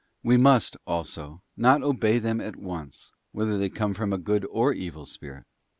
We must, also, not obey them at once, whether they come from a good or evil spirit.